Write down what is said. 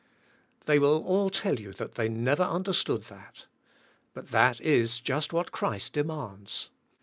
They will all tell you they never understood that. But that is just what Christ demands.